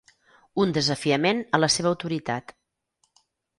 Un desafiament a la seva autoritat.